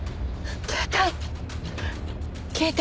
携帯！